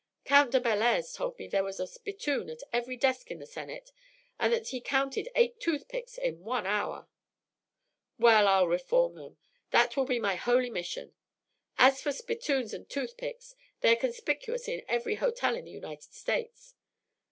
"Count de Bellairs told me that there was a spittoon at every desk in the Senate and that he counted eight toothpicks in one hour." "Well, I'll reform them. That will be my holy mission. As for spittoons and toothpicks, they are conspicuous in every hotel in the United States.